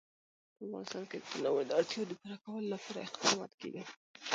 په افغانستان کې د تنوع د اړتیاوو پوره کولو لپاره اقدامات کېږي.